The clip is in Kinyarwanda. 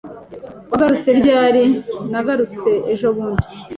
"Wagarutse ryari?" "Nagarutse ejobundi."